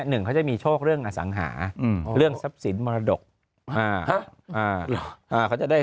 ๑เขาจะมีโชคเรื่องอสังหาเรื่องทรัพย์ศิลป์มรดกเขาจะได้